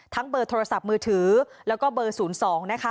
เบอร์โทรศัพท์มือถือแล้วก็เบอร์๐๒นะคะ